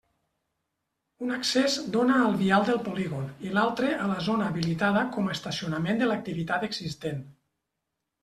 Un accés dóna al vial del polígon i l'altre a la zona habilitada com a estacionament de l'activitat existent.